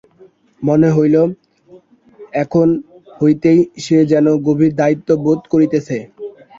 মনে হইল, এখন হইতেই সে যেন গভীর দায়িত্ব বোধ করিতেছে।